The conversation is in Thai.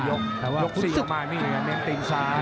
ยก๔ออกมานี่เน้นติงซ้าย